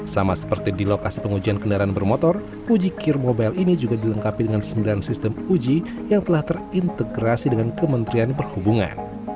sama seperti di lokasi pengujian kendaraan bermotor uji kir mobile ini juga dilengkapi dengan sembilan sistem uji yang telah terintegrasi dengan kementerian perhubungan